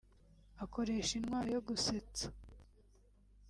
akoresha intwaro yo gusetsa